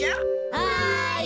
はい！